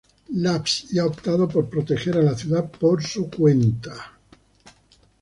Labs y ha optado por proteger a la ciudad por su cuenta.